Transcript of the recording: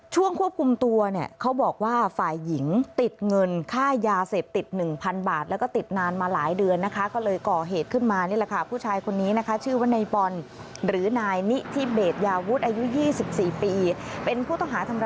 ช่วงควบคุมตัวเนี่ยเขาบอกว่าฝ่ายหญิงติดเงินค่ายาเสพติด๑๐๐๐บาท